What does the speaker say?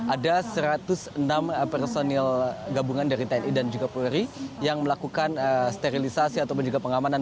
ada satu ratus enam personil gabungan dari tni dan juga polri yang melakukan sterilisasi ataupun juga pengamanan